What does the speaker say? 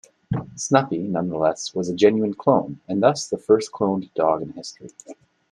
Snuppy, nonetheless, was a genuine clone, and thus the first cloned dog in history.